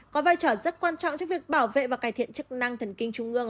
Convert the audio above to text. có vai trò rất quan trọng cho việc bảo vệ và cải thiện chức năng thần kinh trung ương